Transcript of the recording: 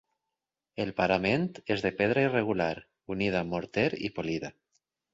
El parament és de pedra irregular, unida amb morter i polida.